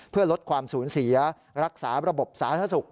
เพื่อลดความสูญเสียรักษาระบบสาธารณสุข